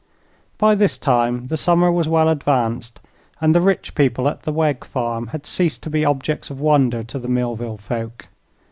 By this time the summer was well advanced, and the rich people at the Wegg farm had ceased to be objects of wonder to the Millville folk.